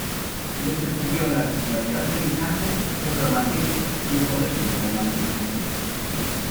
Le sucedió en la titularidad del linaje Pedro Manrique, hijo de su primer matrimonio.